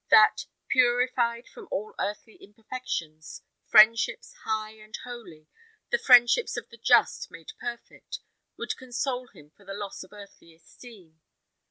That, purified from all earthly imperfections, friendships high and holy the friendships of the just made perfect would console him for the loss of earthly esteem.